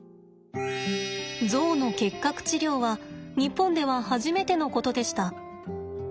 ゾウの結核治療は日本では初めてのことでした。